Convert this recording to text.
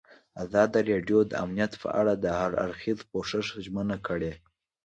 ازادي راډیو د امنیت په اړه د هر اړخیز پوښښ ژمنه کړې.